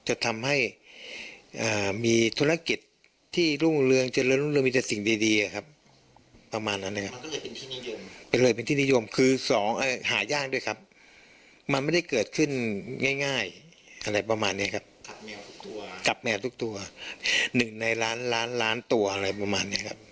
อะไรประมาณนี้ครับกับแมวทุกตัว๑ในล้านตัวอะไรประมาณนี้ครับ